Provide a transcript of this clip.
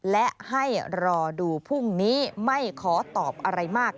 และให้รอดูพรุ่งนี้ไม่ขอตอบอะไรมาก